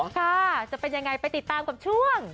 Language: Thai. ค่ะจะเป็นยังไงไปติดตามกับช่วง